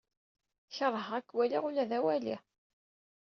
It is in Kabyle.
Keṛheɣ ad k-waliɣ ula d awali.